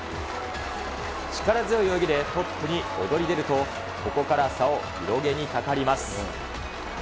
力強い泳ぎでトップに躍り出ると、ここから差を広げにかかります。